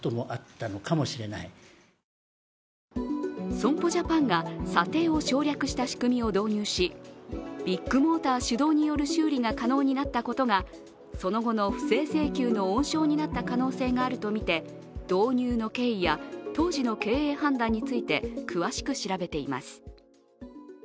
損保ジャパンが査定を省略した仕組みを導入し、ビッグモーター主導による修理が可能になったことがその後の不正請求の温床になった可能性があるとみて導入の経緯や当時の経緯判断について詳しく調べています。